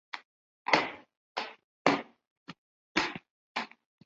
穆兰纳人口变化图示